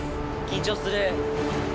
緊張する。